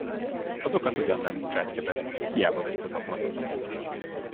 Azokat ugyan nem bocsátja be, hiába verik az ablakot.